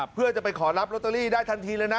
เพื่อจะไปขอรับลอตเตอรี่ได้ทันทีเลยนะ